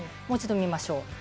もう一度、見ましょう。